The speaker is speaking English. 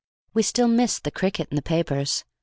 We still missed the cricket in the papers.